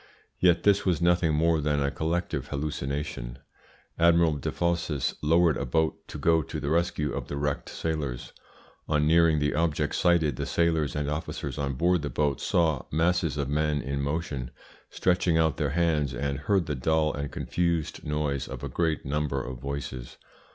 Yet this was nothing more than a collective hallucination. Admiral Desfosses lowered a boat to go to the rescue of the wrecked sailors. On nearing the object sighted, the sailors and officers on board the boat saw "masses of men in motion, stretching out their hands, and heard the dull and confused noise of a great number of voices."